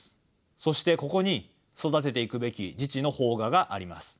そしてここに育てていくべき自治の萌芽があります。